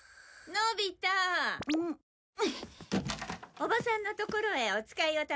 おばさんのところへお使いを頼むわ。